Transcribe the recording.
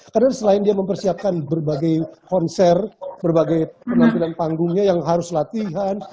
karena selain dia mempersiapkan berbagai konser berbagai penampilan panggungnya yang harus latihan